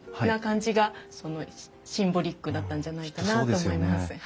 な感じがシンボリックだったんじゃないかなと思います。